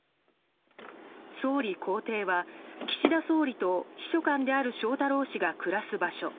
総理公邸は、岸田総理と秘書官である翔太郎氏が暮らす場所。